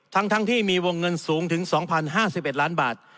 ทั้งที่มีวงเงินสูงถึง๒๐๕๑ล้านบาท